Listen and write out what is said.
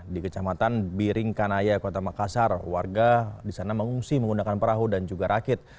di kecamatan biring kanaya kota makassar warga di sana mengungsi menggunakan perahu dan juga rakit